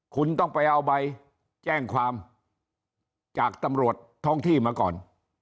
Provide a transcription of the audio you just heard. คุณต้องไปเอาใบแจ้งความจากตำรวจท้องที่มาก่อน